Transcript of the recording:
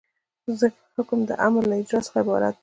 حکم د امر له اجرا څخه عبارت دی.